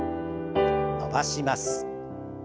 伸ばします。